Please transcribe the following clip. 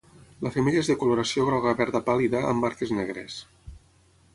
La femella és de coloració groga verda pàl·lida amb marques negres.